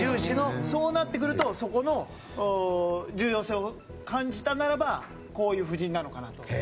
そうなってくるとそこの重要性を感じたならばこういう布陣なのかなと。